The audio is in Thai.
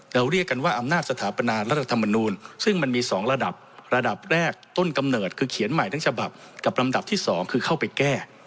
เรียกกันว่าอำนาจสถาปนารัฐธรรมนูลซึ่งมันมี๒ระดับระดับแรกต้นกำเนิดคือเขียนใหม่ทั้งฉบับกับลำดับที่๒คือเข้าไปแก้